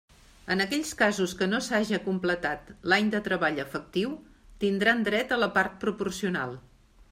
En aquells casos que no s'haja completat l'any de treball efectiu, tindran dret a la part proporcional.